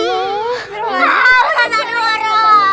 ustaz anwarul tadi tuh kita